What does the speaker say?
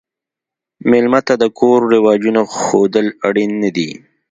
مېلمه ته د کور رواجونه ښودل اړین نه دي.